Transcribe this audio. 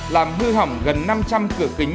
làm hư hỏng gần năm trăm linh cửa kính